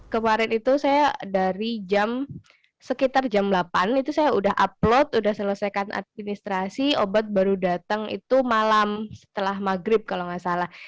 kemarin itu saya dari jam sekitar jam delapan itu saya udah upload udah selesaikan administrasi obat baru datang itu malam setelah maghrib kalau nggak salah